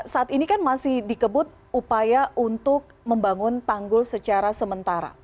saat ini kan masih dikebut upaya untuk membangun tanggul secara sementara